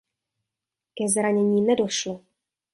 Ke zranění nedošlo.